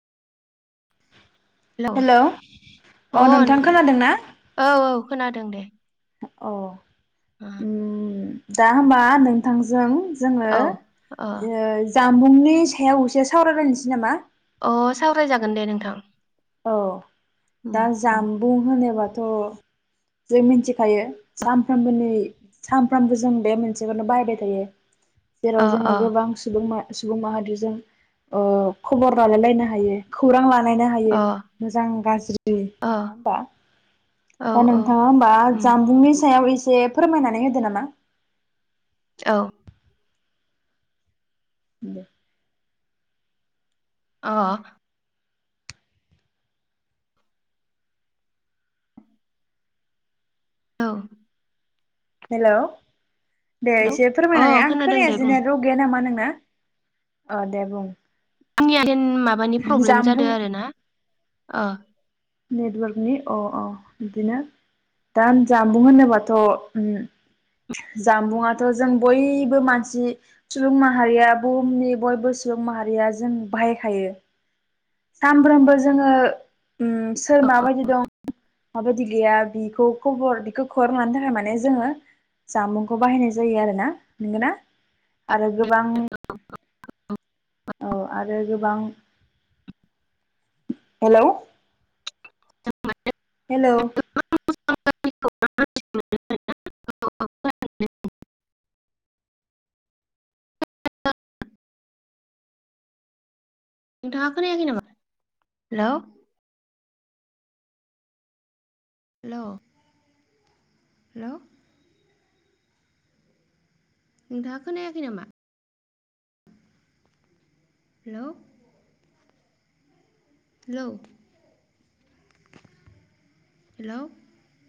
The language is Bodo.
हेलौ अ नोंथां खोनादों ना। औ औ खोनादों दे औ ओ उम दा होनबा नोंथांजों। जोङो औ अ ओ जामबुंनि सायाव एसे सावरायलायनोसै नामा। अ सावरायजागोन दे नोंथां। औ उम दा उम जामबुं होनोबा थ जों मिथिखायो सानफ्रामबोनि सानफ्रामबो जों बे मोनसेखौनो बाहायबाय थायो। जेराव अ जोङो अ गोबां सुबुंमा सुबुं माहारिजों अ खबर लालायलायनो हायो खौरां ला लायनो हायो। अ मोजां गाज्रि अ नङा होमबा औ दा औ नोंथाङा होमबा उम जानबुंनि सायाव एसे से फोरमायनानै होदो नामा? औ दे अ औ हेलौ दे एसे अ फोरमायनानै आं खोनादों दे खोनायासैना बुं नेटवर्क गैया नामा नोंना अ दे बुं आंनिया देन माबानि प्रब्लेम जामबुं जादों आरो ना ओ नेटवर्कनि अ औ बिदिनो दा जामबुं होनोबाथ' ओम जानबुंआथ' जों बयबो मानसि सुबुं माहारिया बुहुमनि बयबो सुबुं माहारिया जों बाहायखायो सानफ्रोमबो जोङो ओम सोर औ माबायदि दं माबायदि गैया बि खौ खबर बेखौ खौरां लानो थाखाय माने जोङो जानबुंखौ बाहायनाय जायो आरो ना नंगौना आरो गोबां औ आरो गोबां हेलौ हेलौ नोंथाङा खोनायाखै नामा हेलौ हेलौ हेलौ नोंथाङा खोनायाखै नामा? Hello hello hello